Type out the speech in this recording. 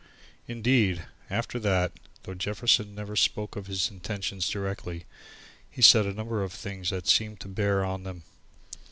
Indeed, after that, though Jefferson never spoke of his intentions directly, he said a number of things that seemed to bear on them.